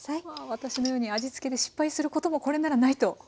私のように味付けで失敗することもこれならないと。